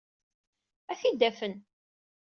Ad t-id-afen.